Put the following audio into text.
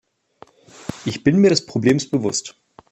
Ich bin mir des Problems bewusst.